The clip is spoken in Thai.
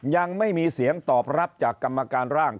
ยังไม่มีเสียงตอบรับจากกรรมการร่าง